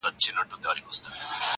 يو په يو يې لوڅېدله اندامونه .!